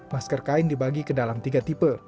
masker kain dibagi ke dalam tiga tipe